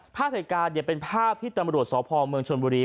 ภาพเหตุการณ์เป็นภาพที่ธรรมดรสภเมืองชลบุหรี